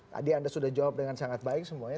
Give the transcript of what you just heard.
tadi anda sudah jawab dengan sangat baik semuanya